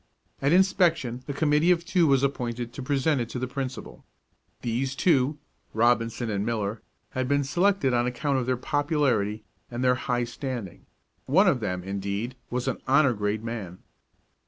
At inspection a committee of two was appointed to present it to the principal. These two, Robinson and Miller, had been selected on account of their popularity and their high standing; one of them, indeed, was an honor grade man.